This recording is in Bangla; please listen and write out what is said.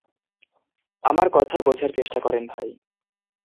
আমার কথা বোঝার চেষ্টা করেন ভাই।